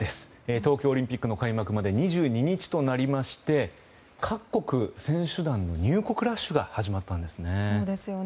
東京オリンピックの開幕まで２２日となりまして各国の選手団の入国ラッシュが始まったんですね。